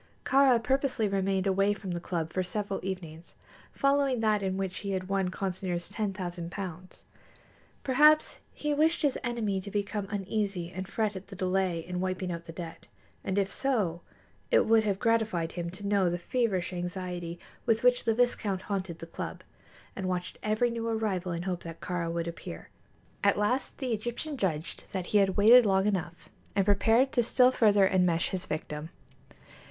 Kāra purposely remained away from the club for several evenings following that in which he had won Consinor's ten thousand pounds. Perhaps he wished his enemy to become uneasy and fret at the delay in wiping out the debt, and if so, it would have gratified him to know the feverish anxiety with which the viscount haunted the club, and watched every new arrival in the hope that Kāra would appear. At last the Egyptian judged that he had waited long enough, and prepared to still further enmesh his victim.